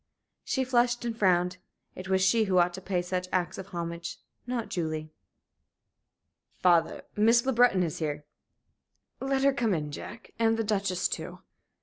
She flushed and frowned. It was she who ought to pay such acts of homage, not Julie. "Father, Miss Le Breton is here." "Let her come in, Jack and the Duchess, too."